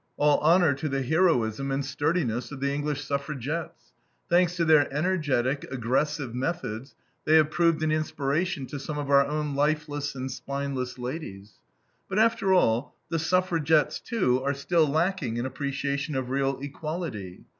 All honor to the heroism and sturdiness of the English suffragettes. Thanks to their energetic, aggressive methods, they have proved an inspiration to some of our own lifeless and spineless ladies. But after all, the suffragettes, too, are still lacking in appreciation of real equality.